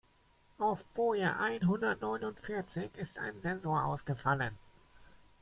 Auf Boje einhundertneunundvierzig ist ein Sensor ausgefallen.